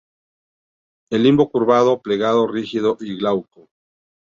El limbo curvado, plegado rígido y glauco.